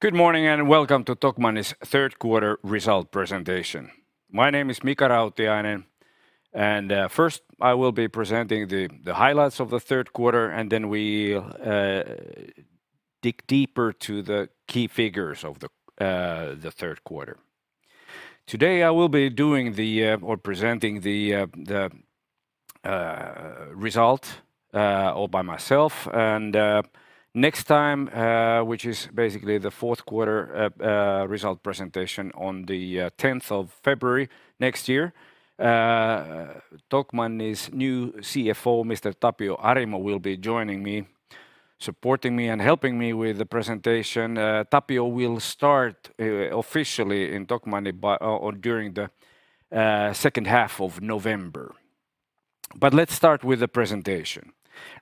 Good morning, welcome to Tokmanni's third quarter result presentation. My name is Mika Rautiainen and first I will be presenting the highlights of the third quarter and then we'll dig deeper to the key figures of the third quarter. Today I will be presenting the result all by myself and next time, which is basically the fourth quarter result presentation on the 10th of February next year, Tokmanni's new CFO, Mr. Tapio Arimo, will be joining me, supporting me and helping me with the presentation. Tapio will start officially in Tokmanni during the second half of November. Let's start with the presentation.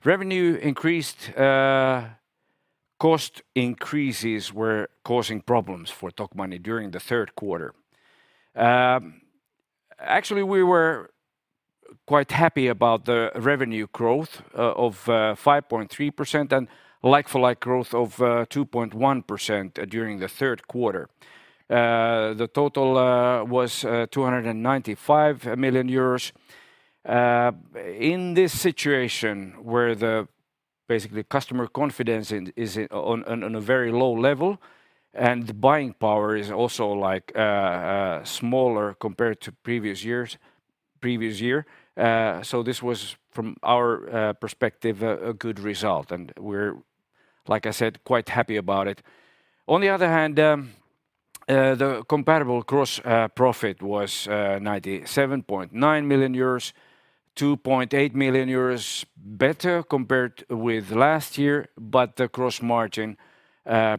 Revenue increased. Cost increases were causing problems for Tokmanni during the third quarter. Actually, we were quite happy about the revenue growth of 5.3% and like-for-like growth of 2.1% during the third quarter. The total was 295 million euros. In this situation where basically customer confidence is on a very low level, and buying power is also like smaller compared to previous year, so this was from our perspective a good result and we're, like I said, quite happy about it. On the other hand, the comparable gross profit was 97.9 million euros, 2.8 million euros better compared with last year, but the gross margin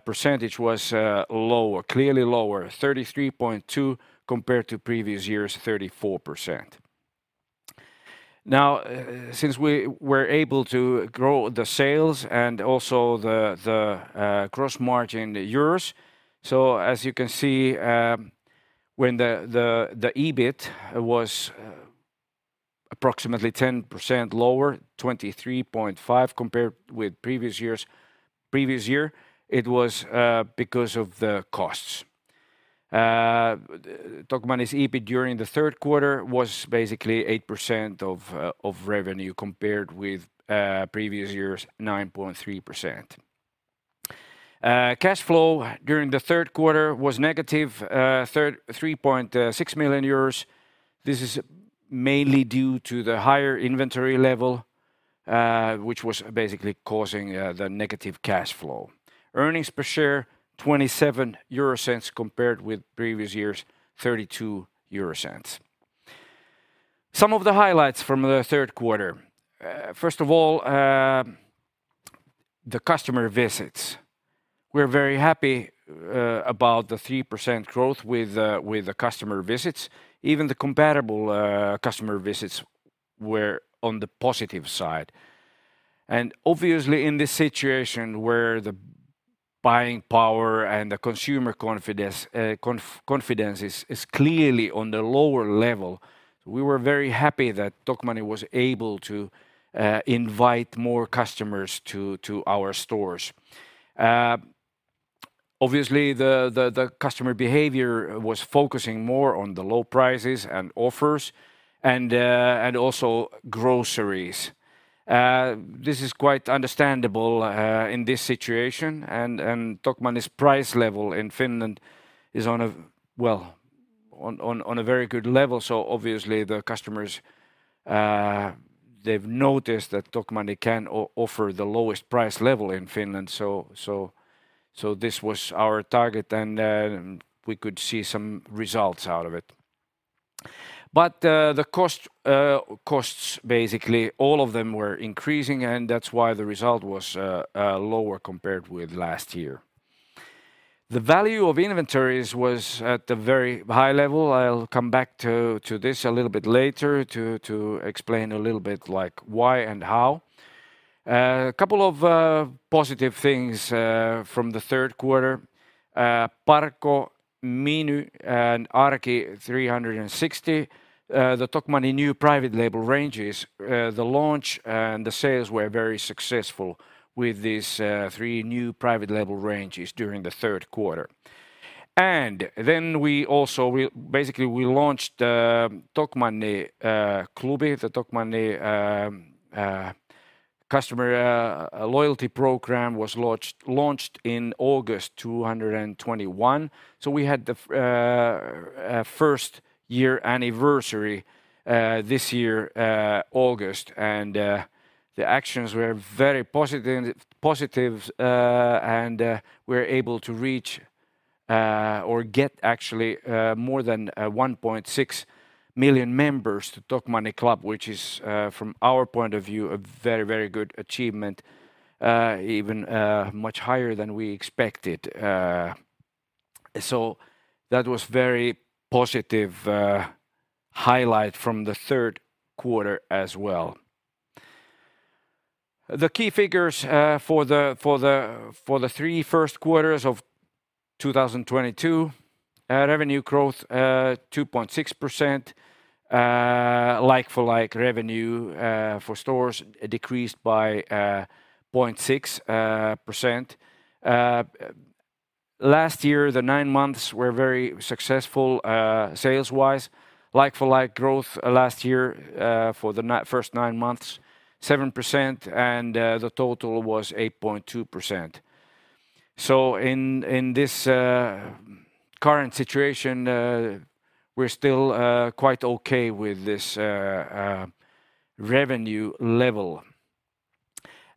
percentage was lower, clearly lower, 33.2% compared to previous year's 34%. Since we were able to grow the sales and also the gross margin euros, as you can see, when the EBIT was approximately 10% lower, 23.5 compared with previous year, it was because of the costs. Tokmanni's EBIT during the third quarter was basically 8% of revenue compared with previous year's 9.3%. Cash flow during the third quarter was -3.6 million euros. This is mainly due to the higher inventory level, which was basically causing the negative cash flow. Earnings per share, 0.27 compared with previous year's 0.32. Some of the highlights from the third quarter. First of all, the customer visits. We're very happy about the 3% growth with the customer visits. Even the comparable customer visits were on the positive side. Obviously in this situation where the buying power and the consumer confidence is clearly on the lower level, we were very happy that Tokmanni was able to invite more customers to our stores. Obviously the customer behavior was focusing more on the low prices and offers and also groceries. This is quite understandable in this situation and Tokmanni's price level in Finland is on a well on a very good level, so obviously the customers they've noticed that Tokmanni can offer the lowest price level in Finland. This was our target and we could see some results out of it. Costs basically all of them were increasing and that's why the result was lower compared with last year. The value of inventories was at a very high level. I'll come back to this a little bit later to explain a little bit like why and how. A couple of positive things from the third quarter. Parco, Miny and Arki 360°, the Tokmanni new private label ranges, the launch and the sales were very successful with these three new private label ranges during the third quarter. We also basically launched Tokmanni Klubi, the Tokmanni customer loyalty program was launched in August 2021. We had the first year anniversary this year August and the actions were very positive and we're able to reach or get actually more than 1.6 million members to Tokmanni Club, which is from our point of view a very very good achievement even much higher than we expected. That was very positive highlight from the third quarter as well. The key figures for the three first quarters of 2022 revenue growth 2.6%. Like-for-like revenue for stores decreased by 0.6%. Last year the nine months were very successful sales-wise. Like-for-like growth last year, for the first 9 months, 7% and the total was 8.2%. In this current situation, we're still quite okay with this revenue level.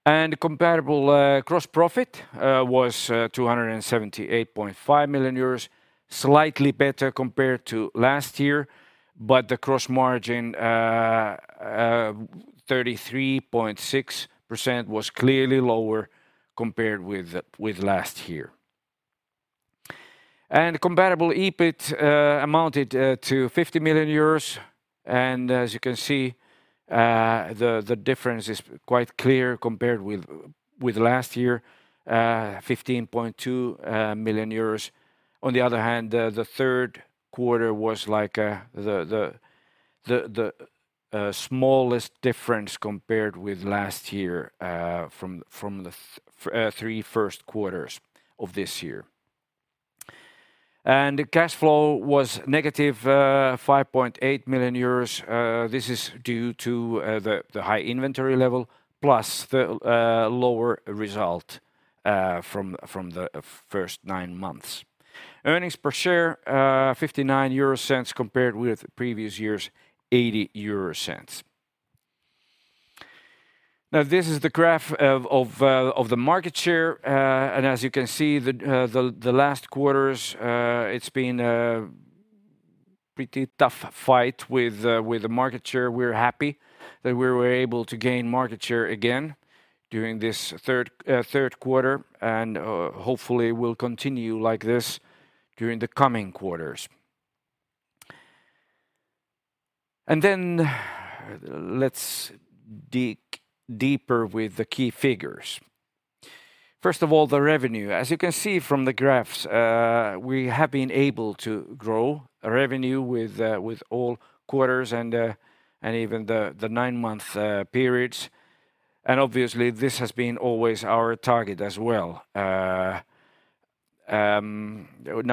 Comparable gross profit was 278.5 million euros, slightly better compared to last year, but the gross margin 33.6% was clearly lower compared with last year. Comparable EBIT amounted to 50 million euros. As you can see, the difference is quite clear compared with last year, 15.2 million euros. On the other hand, the third quarter was like the smallest difference compared with last year from the three first quarters of this year. Cash flow was negative 5.8 million euros. This is due to the high inventory level plus the lower result from the first nine months. Earnings per share, 0.59 compared with previous year's 0.80. Now, this is the graph of the market share. As you can see, the last quarters, it's been a pretty tough fight with the market share. We're happy that we were able to gain market share again during this third quarter and hopefully will continue like this during the coming quarters. Let's dig deeper with the key figures. First of all, the revenue. As you can see from the graphs, we have been able to grow revenue with all quarters and even the nine-month periods. Obviously this has been always our target as well. Now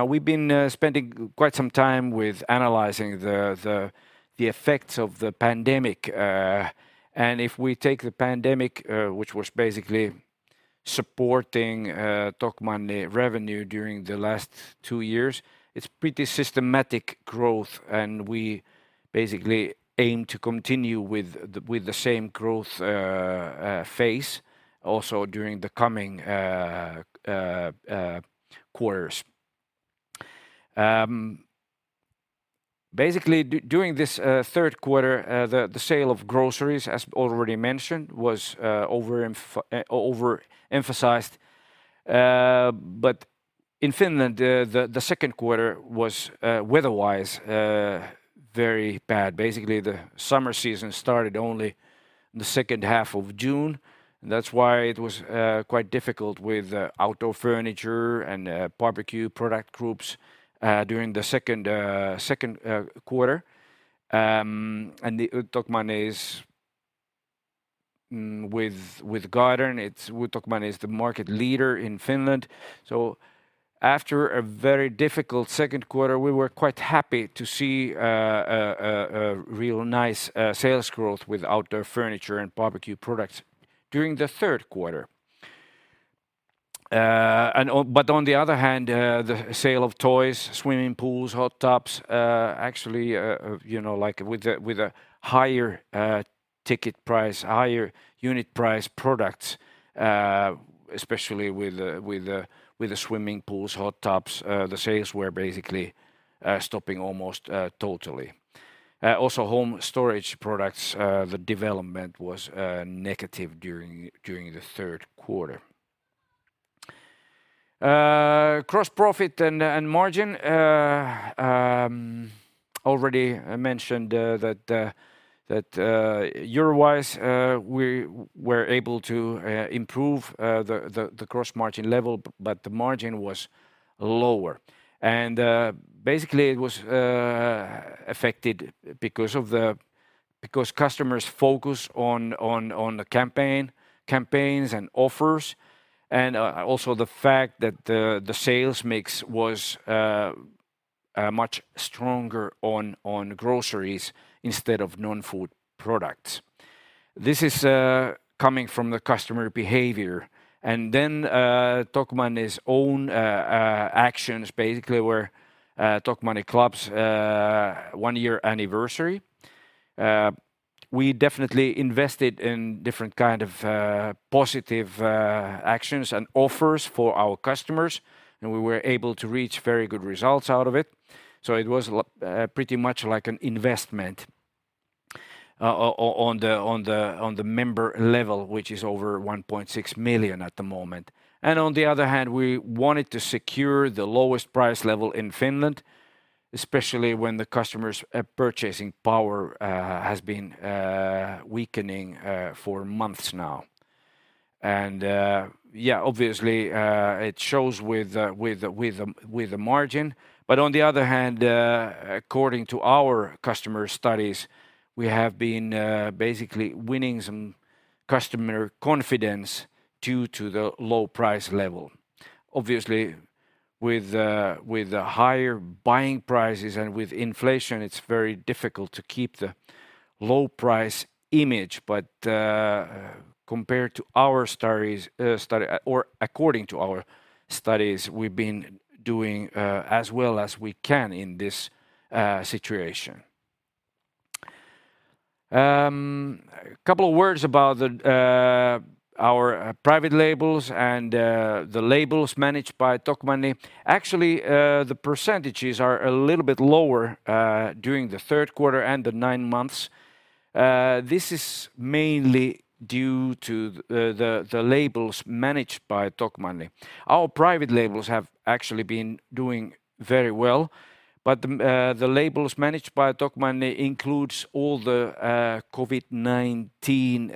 we've been spending quite some time with analyzing the effects of the pandemic. If we take the pandemic, which was basically supporting Tokmanni revenue during the last two years, it's pretty systematic growth, and we basically aim to continue with the same growth phase also during the coming quarters. Basically during this third quarter, the sale of groceries, as already mentioned, was overemphasized. In Finland, the second quarter was weather-wise very bad. Basically, the summer season started only the second half of June, and that's why it was quite difficult with outdoor furniture and barbecue product groups during the second quarter. Tokmanni is the market leader in Finland with garden. After a very difficult second quarter, we were quite happy to see a real nice sales growth with outdoor furniture and barbecue products during the third quarter. On the other hand, the sale of toys, swimming pools, hot tubs, actually, you know, like with a higher ticket price, higher unit price products, especially with the swimming pools, hot tubs, the sales were basically stopping almost totally. Also home storage products, the development was negative during the third quarter. Gross profit and margin, already mentioned, that euro-wise, we were able to improve the gross margin level, but the margin was lower. Basically, it was affected because customers focus on the campaigns and offers and also the fact that the sales mix was much stronger on groceries instead of non-food products. This is coming from the customer behavior. Then Tokmanni's own actions basically were Tokmanni Club's one year anniversary. We definitely invested in different kind of positive actions and offers for our customers, and we were able to reach very good results out of it. It was pretty much like an investment on the member level, which is over 1.6 million at the moment. On the other hand, we wanted to secure the lowest price level in Finland, especially when the customers' purchasing power has been weakening for months now. Yeah, obviously, it shows with the margin. On the other hand, according to our customer studies, we have been basically winning some customer confidence due to the low price level. Obviously, with the higher buying prices and with inflation, it's very difficult to keep the low price image. According to our studies, we've been doing as well as we can in this situation. A couple of words about our private labels and the labels managed by Tokmanni. Actually, the percentages are a little bit lower during the third quarter and the nine months. This is mainly due to the labels managed by Tokmanni. Our private labels have actually been doing very well, but the labels managed by Tokmanni includes all the COVID-19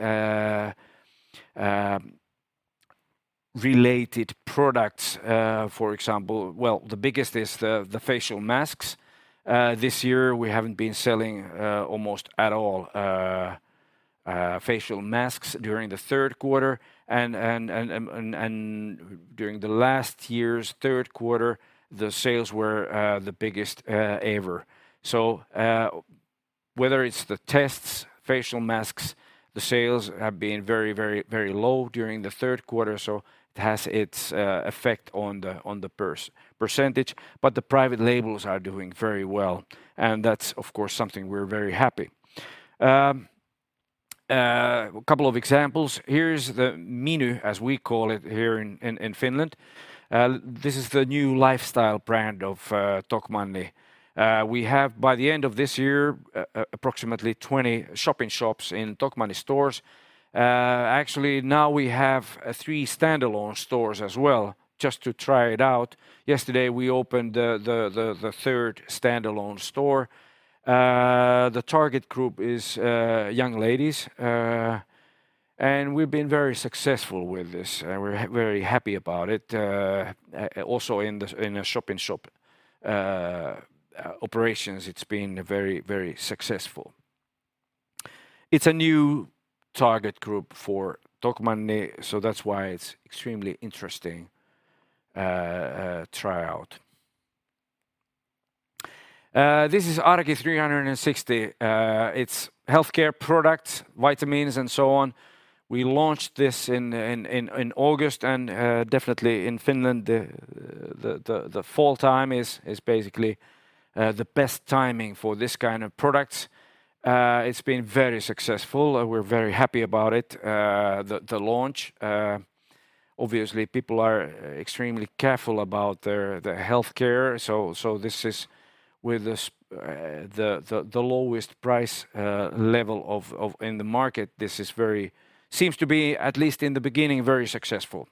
related products. For example. Well, the biggest is the facial masks. This year we haven't been selling almost at all facial masks during the third quarter and during the last year's third quarter, the sales were the biggest ever. Whether it's the tests facial masks, the sales have been very low during the third quarter, so it has its effect on the percentage. But the private labels are doing very well and that's, of course, something we're very happy. A couple of examples. Here is the Miny, as we call it here in Finland. This is the new lifestyle brand of Tokmanni. We have by the end of this year approximately 20 shop-in-shops in Tokmanni stores. Actually, now we have three standalone stores as well, just to try it out. Yesterday, we opened the third standalone store. The target group is young ladies. We've been very successful with this, and we're very happy about it. Also in the shop-in-shop operations it's been very, very successful. It's a new target group for Tokmanni, so that's why it's extremely interesting tryout. This is Arki 360°. It's healthcare products, vitamins and so on. We launched this in August and definitely in Finland the fall time is basically the best timing for this kind of products. It's been very successful. We're very happy about it, the launch. Obviously people are extremely careful about their healthcare, so this is with the lowest price level in the market. This seems to be, at least in the beginning, very successful.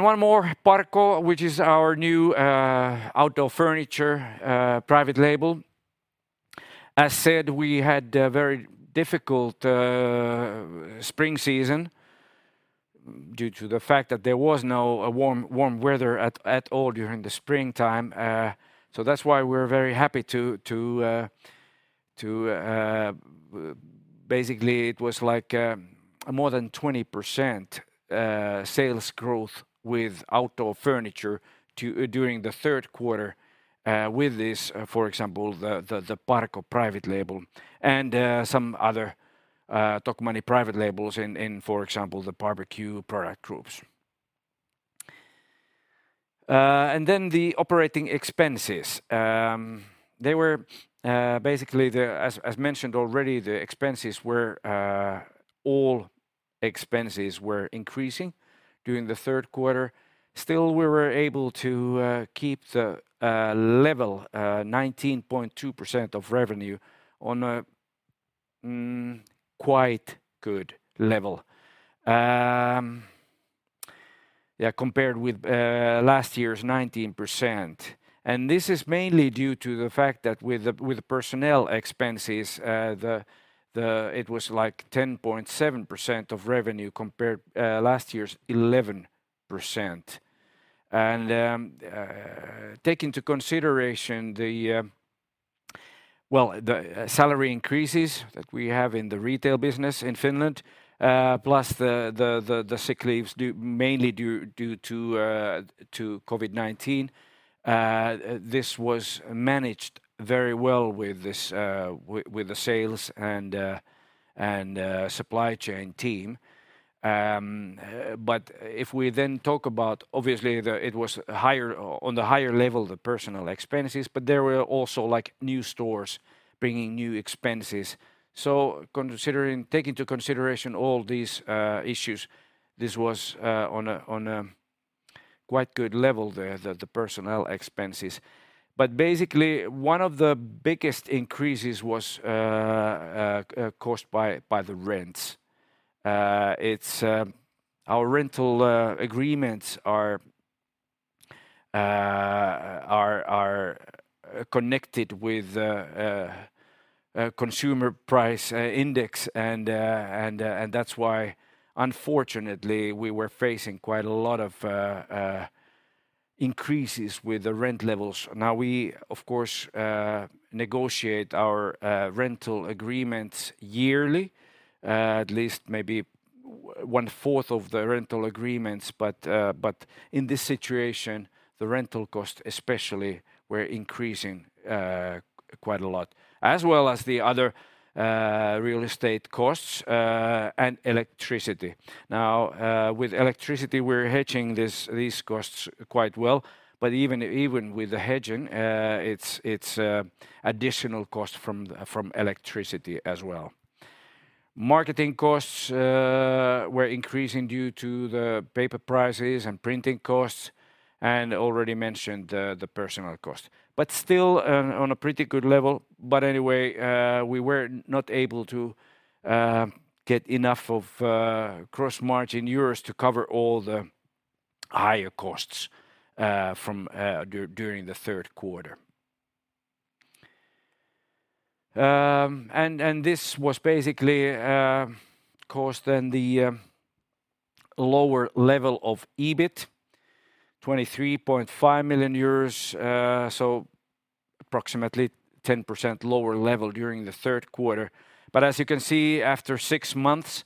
One more, Parco, which is our new outdoor furniture private label. As said, we had a very difficult spring season due to the fact that there was no warm weather at all during the springtime. That's why we're very happy to basically it was like more than 20% sales growth with outdoor furniture during the third quarter, with this, for example, the Parco private label and some other Tokmanni private labels in, for example, the barbecue product groups. The operating expenses, as mentioned already, all expenses were increasing during the third quarter. Still, we were able to keep the level 19.2% of revenue on a quite good level. Yeah, compared with last year's 19%. This is mainly due to the fact that with the personnel expenses, it was like 10.7% of revenue compared last year's 11%. Take into consideration the salary increases that we have in the retail business in Finland, plus the sick leaves mainly due to COVID-19. This was managed very well with the sales and supply chain team. If we then talk about obviously the it was higher, on the higher level, the personnel expenses, but there were also, like, new stores bringing new expenses. Considering, taking into consideration all these issues, this was on a quite good level, the personnel expenses. Basically one of the biggest increases was caused by the rents. Our rental agreements are connected with consumer price index and that's why unfortunately we were facing quite a lot of increases with the rent levels. Now we, of course, negotiate our rental agreements yearly, at least maybe one-fourth of the rental agreements. In this situation, the rental costs especially were increasing quite a lot, as well as the other real estate costs and electricity. Now, with electricity, we're hedging these costs quite well. Even with the hedging, it's additional cost from electricity as well. Marketing costs were increasing due to the paper prices and printing costs, and already mentioned, the personnel cost. Still, on a pretty good level. Anyway, we were not able to get enough gross margin euros to cover all the higher costs during the third quarter. This was basically the cause of the lower level of EBIT, 23.5 million euros, so approximately 10% lower level during the third quarter. As you can see, after six months,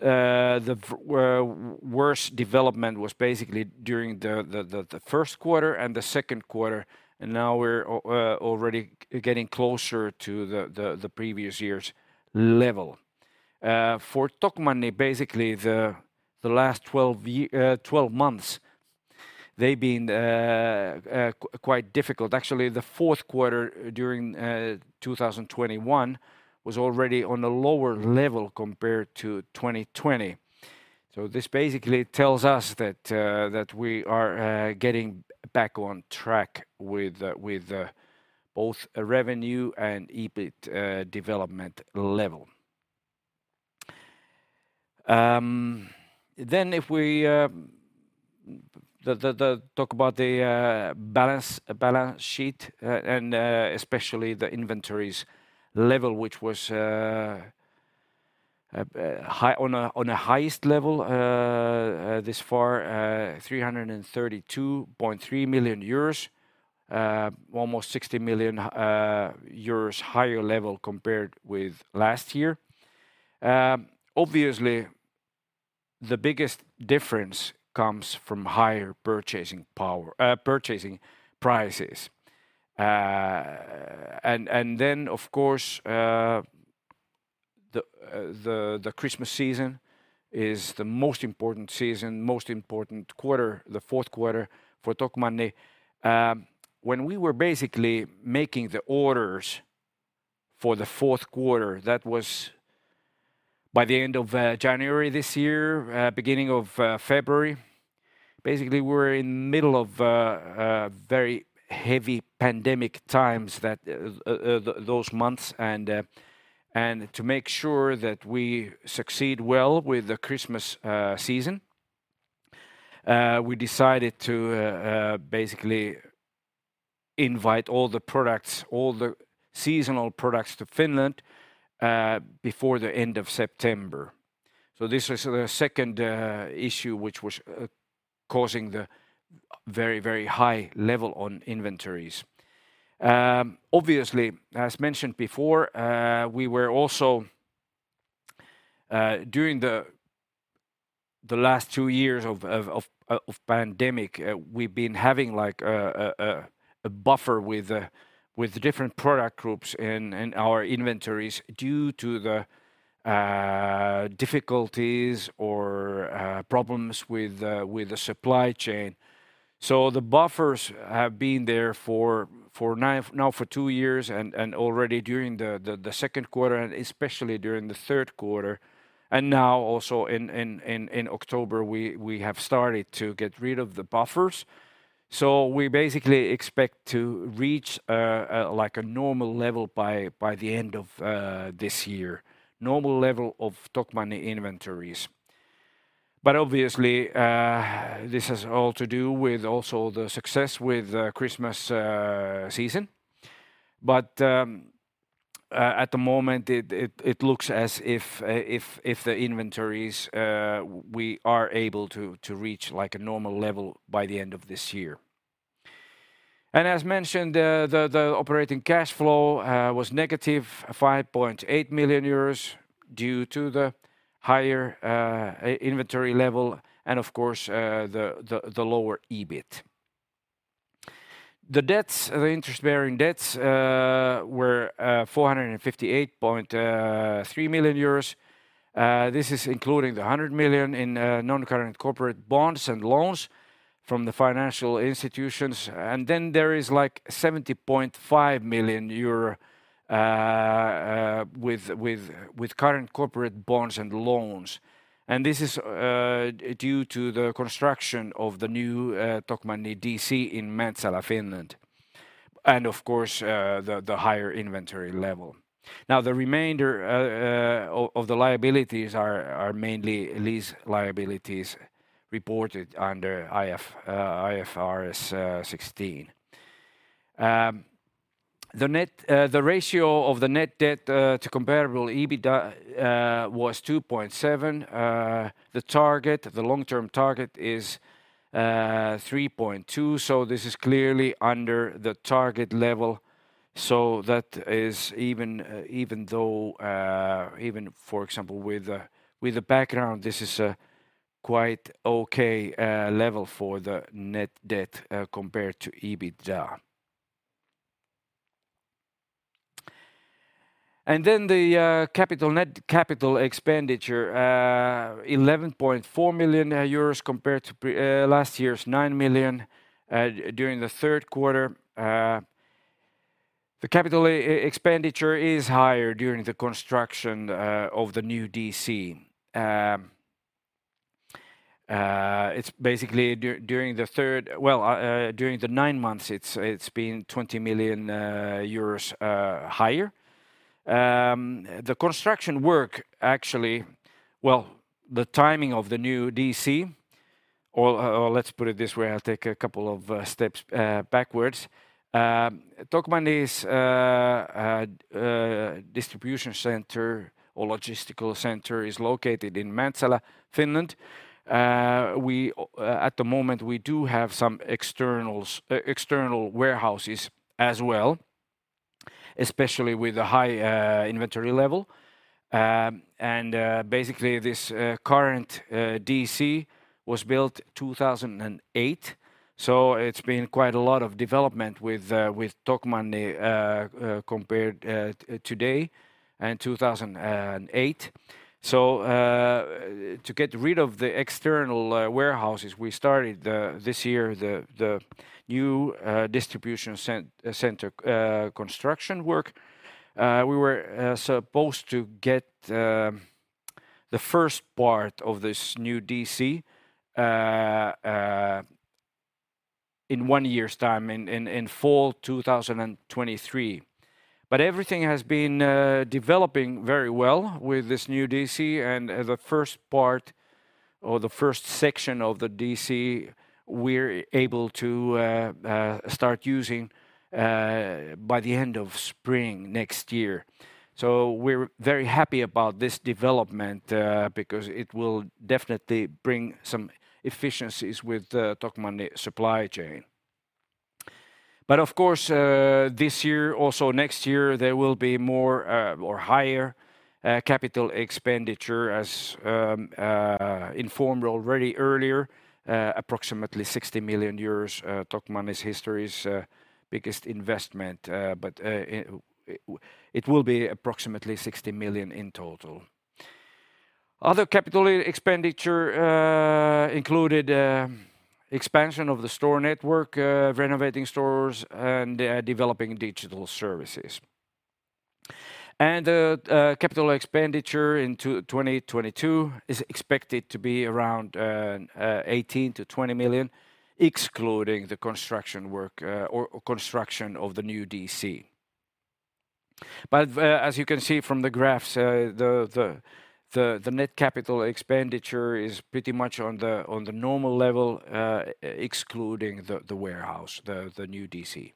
the worst development was basically during the first quarter and the second quarter, and now we're already getting closer to the previous year's level. For Tokmanni, basically the last 12 months, they've been quite difficult. Actually, the fourth quarter during 2021 was already on a lower level compared to 2020. This basically tells us that we are getting back on track with both a revenue and EBIT development level. If we talk about the balance sheet and especially the inventories level, which was high. On a high level, so far, 332.3 million euros, almost 60 million euros higher than last year. Obviously the biggest difference comes from higher purchase prices. Then of course, the Christmas season is the most important season, most important quarter, the fourth quarter for Tokmanni. When we were basically making the orders for the fourth quarter, that was by the end of January this year, beginning of February. Basically, we were in middle of very heavy pandemic times those months. To make sure that we succeed well with the Christmas season, we decided to basically invite all the products, all the seasonal products to Finland before the end of September. This was the second issue which was causing the very high level of inventories. Obviously, as mentioned before, we were also during the last two years of the pandemic. We've been having like a buffer with different product groups in our inventories due to the difficulties or problems with the supply chain. The buffers have been there for two years now and already during the second quarter and especially during the third quarter. Now also in October, we have started to get rid of the buffers. We basically expect to reach like a normal level by the end of this year. Normal level of Tokmanni inventories. Obviously this has all to do with also the success with Christmas season. At the moment it looks as if the inventories we are able to reach like a normal level by the end of this year. As mentioned, the operating cash flow was negative 5.8 million euros due to the higher inventory level and of course the lower EBIT. The interest bearing debts were 458.3 million euros. This is including the 100 million in non-current corporate bonds and loans from the financial institutions. Then there is like 70.5 million euro with current corporate bonds and loans. This is due to the construction of the new Tokmanni DC in Mäntsälä, Finland. Of course, the higher inventory level. Now, the remainder of the liabilities are mainly lease liabilities reported under IFRS 16. The ratio of the net debt to comparable EBITDA was 2.7. The target, the long-term target is 3.2. This is clearly under the target level. That is even though, even for example, with the background, this is a quite okay level for the net debt compared to EBITDA. The net capital expenditure 11.4 million euros compared to last year's 9 million during the third quarter. The capital expenditure is higher during the construction of the new DC. Well, during the nine months it's been 20 million euros higher. Well, the timing of the new DC or let's put it this way, I'll take a couple of steps backwards. Tokmanni's distribution center or logistical center is located in Mäntsälä, Finland. At the moment, we do have some external warehouses as well, especially with the high inventory level. Basically, this current DC was built in 2008, so it's been quite a lot of development with Tokmanni compared to today and 2008. To get rid of the external warehouses, we started this year the new distribution center construction work. We were supposed to get the first part of this new DC in one year's time in fall 2023. Everything has been developing very well with this new DC, and the first part or the first section of the DC, we're able to start using by the end of spring next year. We're very happy about this development because it will definitely bring some efficiencies with the Tokmanni supply chain. Of course, this year, also next year, there will be more, or higher, capital expenditure as informed already earlier, approximately EUR 60 million, Tokmanni's historically biggest investment. It will be approximately 60 million in total. Other capital expenditure included expansion of the store network, renovating stores, and developing digital services. Capital expenditure into 2022 is expected to be around 18 million-20 million, excluding the construction work, or construction of the new DC. As you can see from the graphs, the net capital expenditure is pretty much on the normal level, excluding the warehouse, the new DC.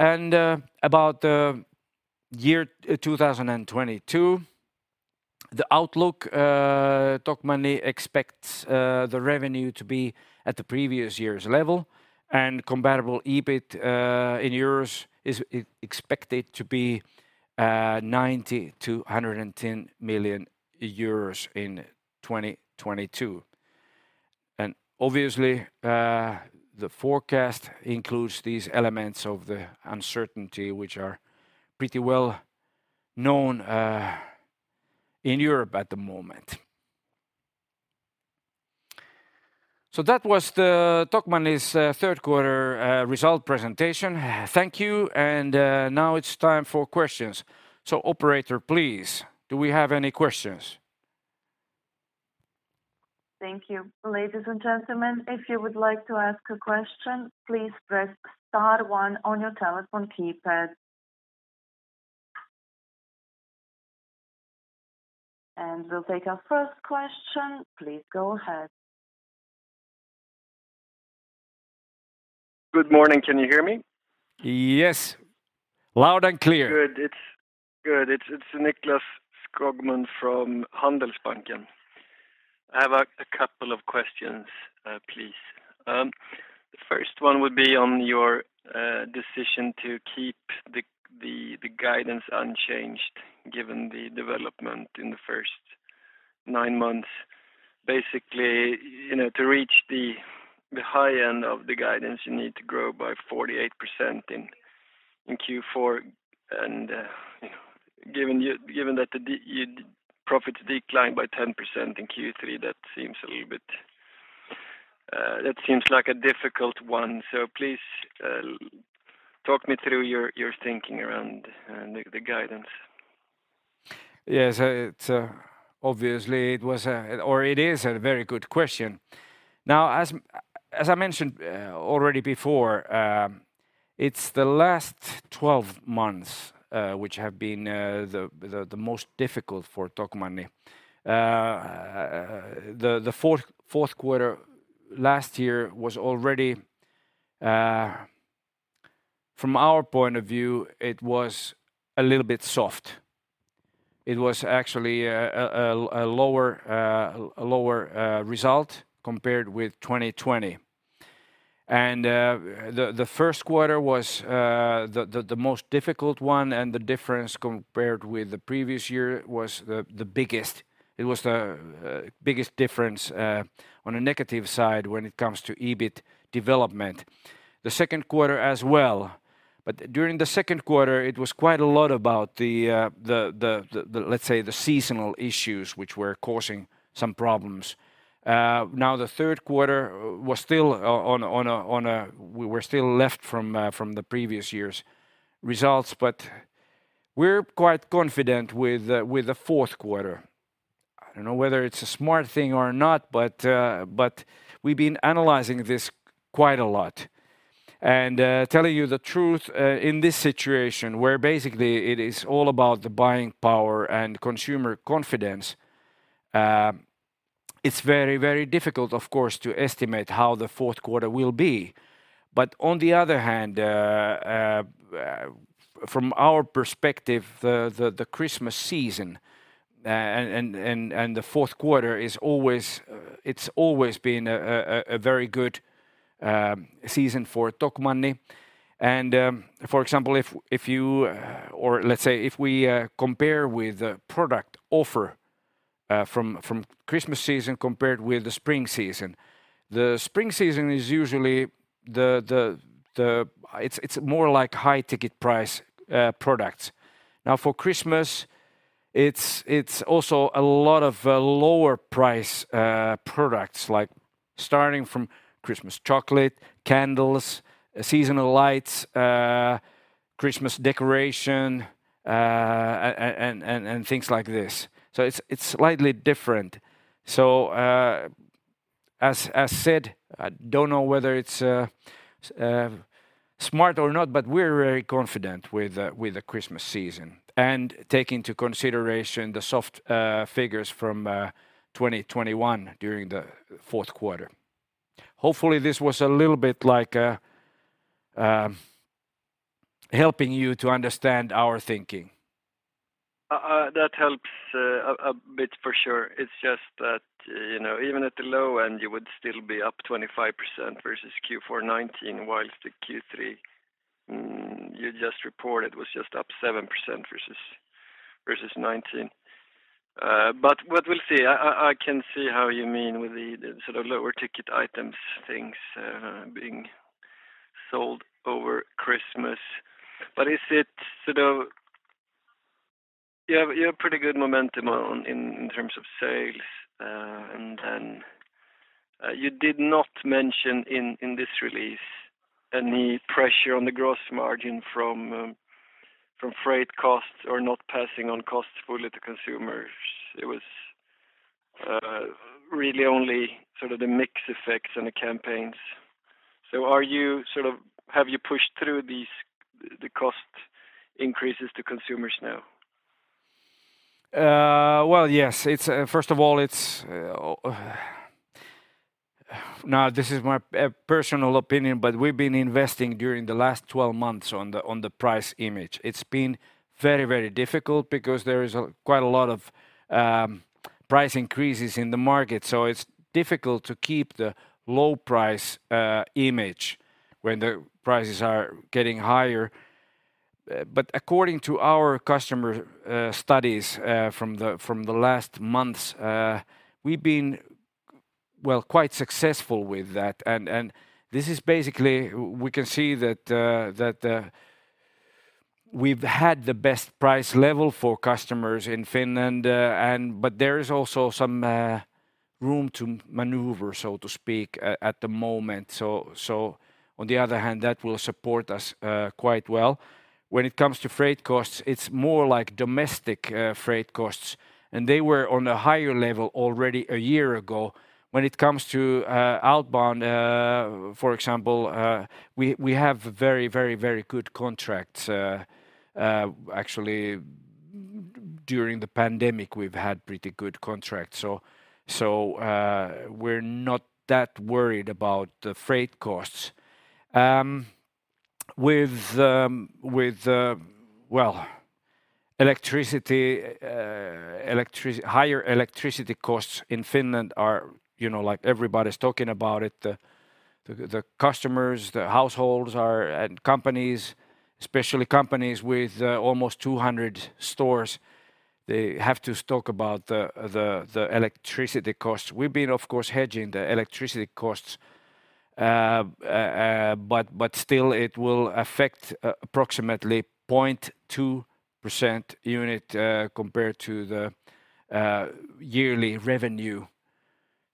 About the year 2022 outlook, Tokmanni expects the revenue to be at the previous year's level and comparable EBIT in euros is expected to be 90-110 million euros in 2022. Obviously, the forecast includes these elements of the uncertainty, which are pretty well known in Europe at the moment. That was Tokmanni's third quarter result presentation. Thank you, and now it's time for questions. Operator, please, do we have any questions? Thank you. Ladies and gentlemen, if you would like to ask a question, please press star one on your telephone keypad. We'll take our first question. Please go ahead. Good morning. Can you hear me? Yes. Loud and clear. Good. It's good. It's Nicklas Skogman from Handelsbanken. I have a couple of questions, please. The first one would be on your decision to keep the guidance unchanged given the development in the first nine months. Basically, you know, to reach the high end of the guidance, you need to grow by 48% in Q4 and, you know, given that the profit declined by 10% in Q3, that seems a little bit like a difficult one. Please, talk me through your thinking around the guidance. Yes, it obviously was, or it is, a very good question. Now as I mentioned already before, it's the last 12 months which have been the most difficult for Tokmanni. The fourth quarter last year was already from our point of view a little bit soft. It was actually a lower result compared with 2020. The first quarter was the most difficult one and the difference compared with the previous year was the biggest. It was the biggest difference on a negative side when it comes to EBIT development. The second quarter as well, but during the second quarter it was quite a lot about the, let's say, the seasonal issues which were causing some problems. We were still lagging the previous year's results, but we're quite confident with the fourth quarter. I don't know whether it's a smart thing or not, but we've been analyzing this quite a lot. Telling you the truth, in this situation where basically it is all about the buying power and consumer confidence, it's very, very difficult, of course, to estimate how the fourth quarter will be. On the other hand, from our perspective, the Christmas season and the fourth quarter is always. It's always been a very good season for Tokmanni. For example, or let's say if we compare with the product offer from Christmas season compared with the spring season, the spring season is usually more like high ticket price products. Now, for Christmas it's also a lot of lower price products like starting from Christmas chocolate, candles, seasonal lights, Christmas decoration and things like this. It's slightly different. As said, I don't know whether it's smart or not, but we're very confident with the Christmas season and take into consideration the soft figures from 2021 during the fourth quarter. Hopefully, this was a little bit like helping you to understand our thinking. That helps a bit for sure. It's just that, you know, even at the low end you would still be up 25% versus Q4 2019, while the Q3 you just reported was just up 7% versus 2019. But what we'll see I can see how you mean with the sort of lower ticket items things being sold over Christmas. Is it sort of you have pretty good momentum in terms of sales. You did not mention in this release any pressure on the gross margin from freight costs or not passing on costs fully to consumers. It was really only sort of the mix effects and the campaigns. Are you sort of have you pushed through these the cost increases to consumers now? Well, yes. It's first of all, it's my personal opinion, but we've been investing during the last 12 months on the price image. It's been very, very difficult because there is quite a lot of price increases in the market, so it's difficult to keep the low price image when the prices are getting higher. But according to our customer studies from the last months, we've been well, quite successful with that and this is basically we can see that that we've had the best price level for customers in Finland and but there is also some room to maneuver, so to speak, at the moment. On the other hand, that will support us quite well. When it comes to freight costs, it's more like domestic freight costs, and they were on a higher level already a year ago. When it comes to outbound, for example, we have very good contracts. Actually during the pandemic we've had pretty good contracts. So, we're not that worried about the freight costs. With well, electricity higher electricity costs in Finland are, you know, like everybody's talking about it. The customers, the households are. Companies, especially companies with almost 200 stores, they have to talk about the electricity costs. We've been, of course, hedging the electricity costs, but still it will affect approximately 0.2 percentage points, compared to the yearly revenue.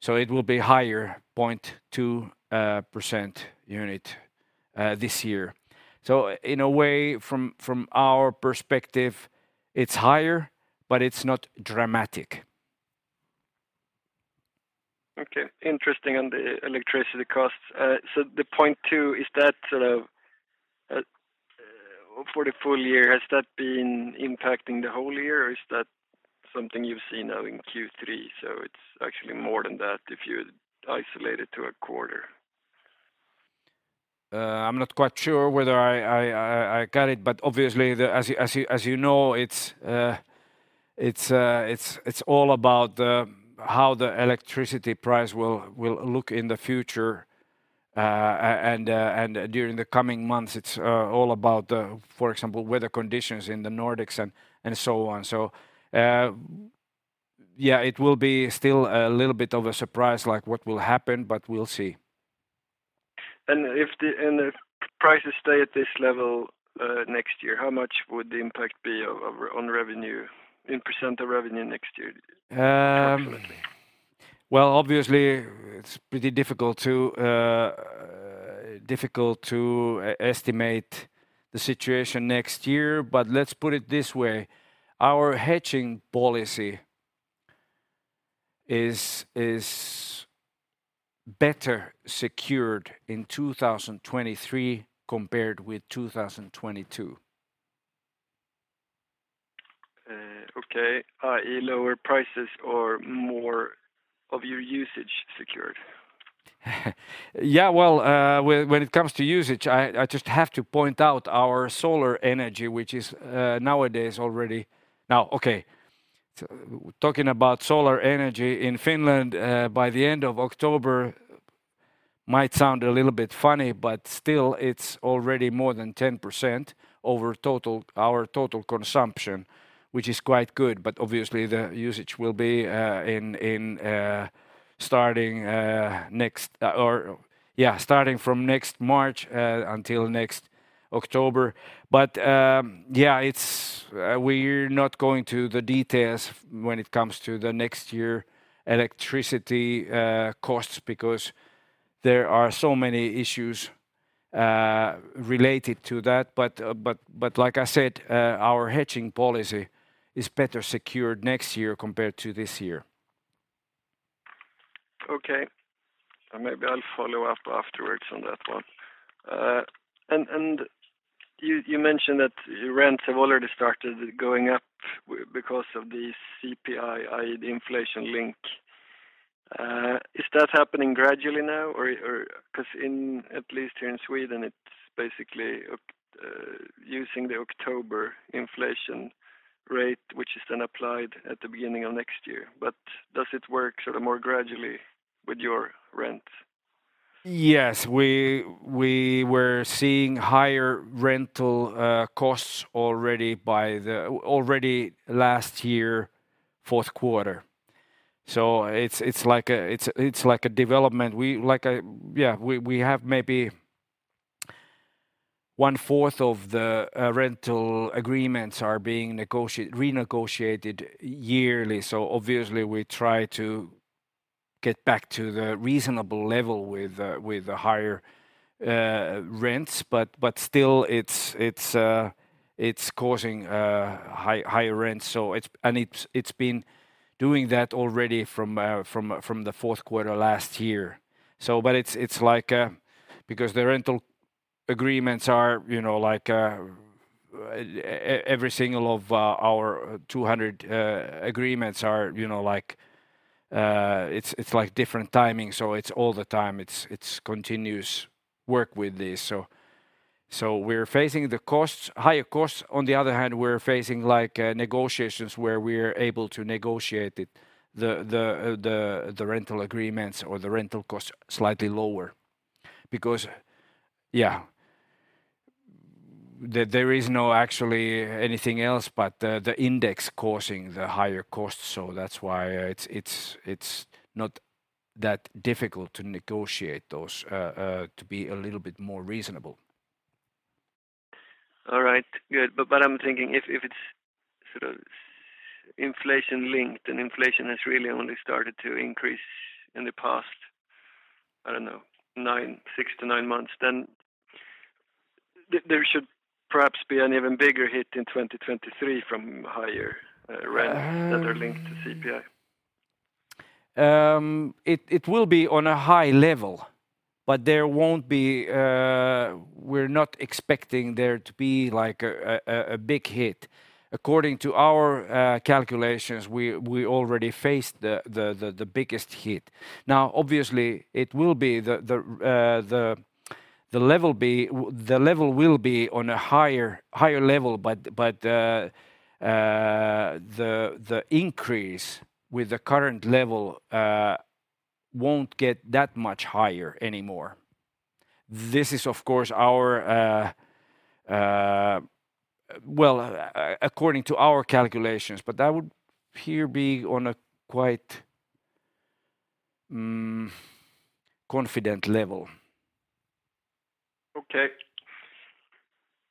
It will be higher 0.2 % points this year. In a way, from our perspective, it's higher but it's not dramatic. Okay, interesting on the electricity costs. The 0.2 %, is that sort of for the full year, has that been impacting the whole year or is that something you've seen now in Q3, so it's actually more than that if you isolate it to a quarter? I'm not quite sure whether I got it, but obviously, as you know, it's all about how the electricity price will look in the future and during the coming months. It's all about, for example, weather conditions in the Nordics and so on. Yeah, it will be still a little bit of a surprise, like what will happen, but we'll see. If prices stay at this level next year, how much would the impact be of on revenue, in percentage of revenue next year, approximately? Well, obviously it's pretty difficult to estimate the situation next year, but let's put it this way, our hedging policy is better secured in 2023 compared with 2022. Okay. Lower prices or more of your usage secured? Yeah. Well, when it comes to usage, I just have to point out our solar energy, which is nowadays already. Now, talking about solar energy in Finland, by the end of October might sound a little bit funny, but still it's already more than 10% of our total consumption, which is quite good. Obviously the usage will be starting from next March until next October. We're not going to the details when it comes to the next year electricity costs because there are so many issues related to that. Like I said, our hedging policy is better secured next year compared to this year. Okay. Maybe I'll follow up afterwards on that one. You mentioned that rents have already started going up because of the CPI, i.e. the inflation link. Is that happening gradually now, or 'cause in at least here in Sweden, it's basically using the October inflation rate, which is then applied at the beginning of next year. Does it work sort of more gradually with your rent? Yes. We were seeing higher rental costs already last year, fourth quarter. It's like a development. We have maybe one-fourth of the rental agreements are being renegotiated yearly, so obviously we try to get back to the reasonable level with the higher rents. Still it's causing higher rents. It's been doing that already from the fourth quarter last year. It's like because the rental agreements are, you know, like every single of our 200 agreements are, you know, like it's like different timing, so it's all the time, it's continuous work with this. We're facing higher costs. On the other hand, we're facing like negotiations where we're able to negotiate it, the rental agreements or the rental cost slightly lower because, yeah, there is no actually anything else but the index causing the higher cost. That's why it's not that difficult to negotiate those to be a little bit more reasonable. All right. Good. I'm thinking if it's sort of inflation-linked, and inflation has really only started to increase in the past, I don't know, 6 to 9 months, then there should perhaps be an even bigger hit in 2023 from higher rents. Um- that are linked to CPI. It will be on a high level, but there won't be like a big hit. According to our calculations, we already faced the biggest hit. Now, obviously, the level will be on a higher level, but the increase with the current level won't get that much higher anymore. This is, of course, according to our calculations, but that would appear to be on a quite confident level. Okay.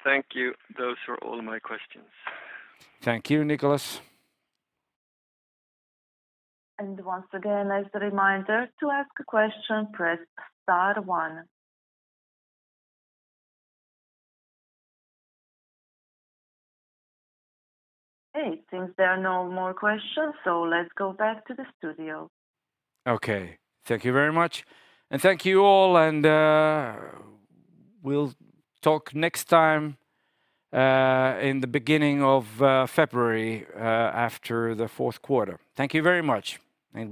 Thank you. Those were all my questions. Thank you, Niklas. Once again, as a reminder, to ask a question, press star one. Okay, seems there are no more questions, so let's go back to the studio. Okay. Thank you very much. Thank you all, and we'll talk next time in the beginning of February after the fourth quarter. Thank you very much and bye-bye.